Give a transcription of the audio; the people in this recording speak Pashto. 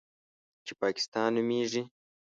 چې پاکستان نومېږي.